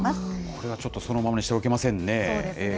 これはちょっとそのままにしておけませんね。